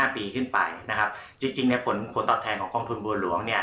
ปีขึ้นไปนะครับจริงในผลตอบแทนของกองทุนบัวหลวงเนี่ย